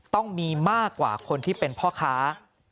ต้องมีมากกว่าคนที่เป็นพ่อค้า